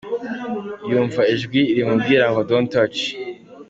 Yumva ijwi rimubwira ngo:” don’t touch”.